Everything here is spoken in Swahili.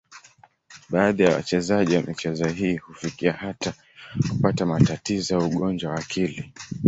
Baadhi ya wachezaji wa michezo hii hufikia hata kupata matatizo au ugonjwa wa akili.